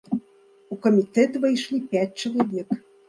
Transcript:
У камітэт увайшлі пяць чалавек.